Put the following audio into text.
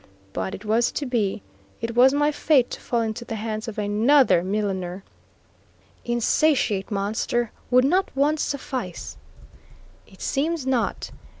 But it was to be. It was my fate to fall into the hands of another milliner. "Insatiate monster! would not one suffice?" It seems not.